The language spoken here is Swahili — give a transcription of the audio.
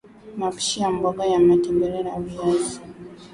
mapishi ya mboga ya matembele ya viazi